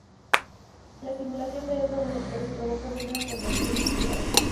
La estimulación de estos receptores provoca una contracción muscular.